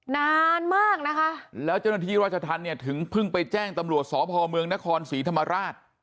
นานมากนะคะแล้วจนทีราชทันเนี่ยถึงพึ่งไปแจ้งตำรวจสอบภอมเมืองนครศรีธรรมราช